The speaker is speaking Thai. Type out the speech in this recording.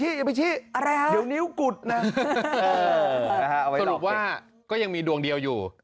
สรุปว่าก็ยังมีดวงเดียวอยู่